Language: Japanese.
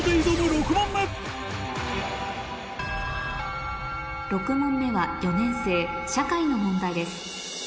６問目６問目は４年生社会の問題です